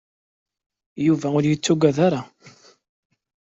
Yuba ur yettaggad ara.